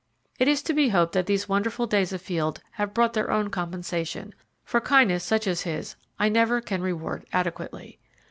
It is to be hoped that these wonderful days afield have brought their own compensation, for kindness such as his I never can reward adequately.